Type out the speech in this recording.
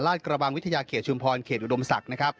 ราชกระบังวิทยาเขตชุมพรเขตอุดมศักดิ์